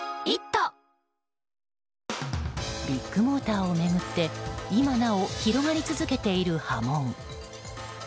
ビッグモーターを巡って今なお広がり続けている波紋。